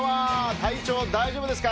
体調、大丈夫ですか？